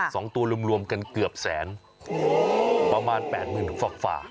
สองตัวรวมกันเกือบแสนประมาณ๘หมื่นฟากฝ่า